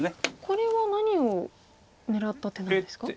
これは何を狙った手なんですか？